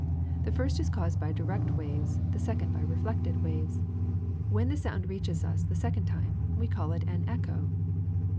The first is caused by direct waves, the second by reflected waves. When the sound reaches us the second time, we call it an echo.